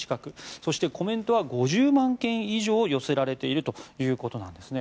そしてコメントは５０万件以上寄せられているということです。